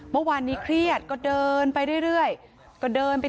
เมื่อวานนี้เครียดก็เดินไปเรื่อย